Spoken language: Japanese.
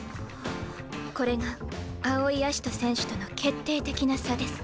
これが青井葦人選手との決定的な差です。